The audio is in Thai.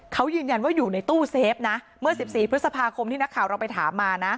เขายืนยันว่าอยู่ในตู้เซฟนะเมื่อ๑๔พฤษภาคมที่นักข่าวเราไปถามมานะ